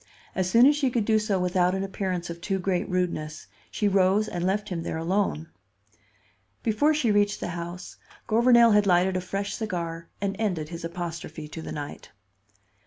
As soon as she could do so without an appearance of too great rudeness, she rose and left him there alone. Before she reached the house, Gouvernail had lighted a fresh cigar and ended his apostrophe to the night.